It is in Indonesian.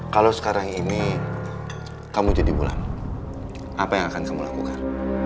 kalau sekarang ini kamu jadi pulang apa yang akan kamu lakukan